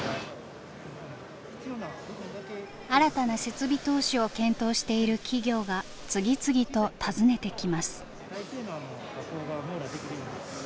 新たな設備投資を検討している企業が次々と訪ねてきます。